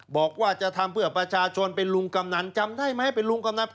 บอกว่าจะทำเพื่อประชาชนเป็นลุงกำนันจำได้ไหมเป็นลุงกำนัน